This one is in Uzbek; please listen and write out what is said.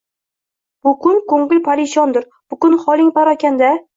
Bukun koʻngling parishondir, bukun holing parokanda.